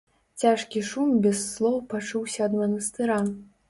Цяжкі шум без слоў пачуўся ад манастыра.